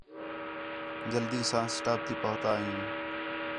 جلدی ساں سٹاپ تی پُہتا ہیں